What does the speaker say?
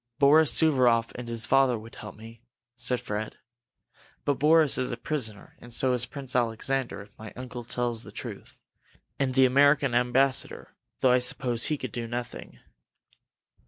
"Boris Suvaroff and his father would help me," said Fred. "But Boris is a prisoner, and so is Prince Alexander, if my uncle tells the truth! And the American ambassador though I suppose he could do nothing."